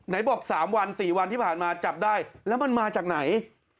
บอก๓วัน๔วันที่ผ่านมาจับได้แล้วมันมาจากไหน